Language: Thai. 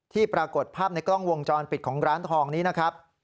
ปรากฏภาพในกล้องวงจรปิดของร้านทองนี้นะครับ